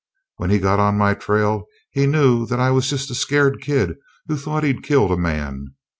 When he got on my trail he knew that I was just a scared kid who thought he'd killed a man.